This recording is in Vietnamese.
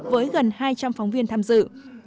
với gần hai trăm linh phóng viên tham dự